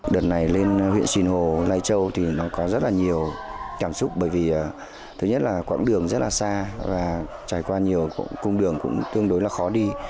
đợt này lên huyện sinh hồ lai châu thì nó có rất là nhiều cảm xúc bởi vì thứ nhất là quãng đường rất là xa và trải qua nhiều cung đường cũng tương đối là khó đi